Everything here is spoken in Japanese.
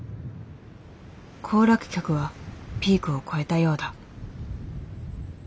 行楽客はピークを越えたようだ。